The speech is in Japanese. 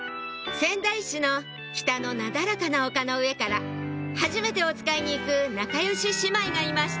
仙台市の北のなだらかな丘の上からはじめておつかいに行く仲良し姉妹がいました